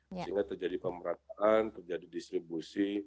sehingga terjadi pemerataan terjadi distribusi